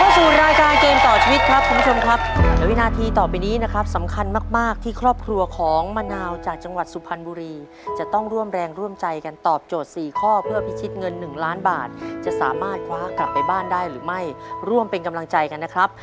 สู่รายการเกมต่อชีวิตครับคุณผู้ชมครับและวินาทีต่อไปนี้นะครับสำคัญมากมากที่ครอบครัวของมะนาวจากจังหวัดสุพรรณบุรีจะต้องร่วมแรงร่วมใจกันตอบโจทย์สี่ข้อเพื่อพิชิตเงินหนึ่งล้านบาทจะสามารถคว้ากลับไปบ้านได้หรือไม่ร่วมเป็นกำลังใจกันนะครับ